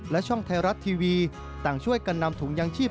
และช่องไทยรัฐทีวีต่างช่วยกันนำถุงยางชีพ